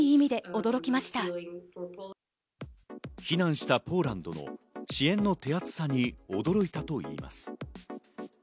避難したポーランドも支援の手厚さに驚いたといいます。